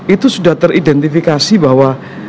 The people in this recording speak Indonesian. itu sudah teridentifikasi bahwa